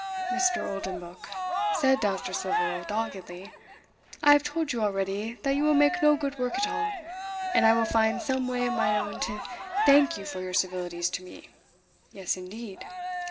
"Mr. Oldenbuck," said Dousterswivel, doggedly, "I have told you already that you will make no good work at all, and I will find some way of mine own to thank you for your civilities to me yes, indeed."